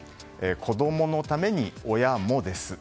子どものためにも親もです。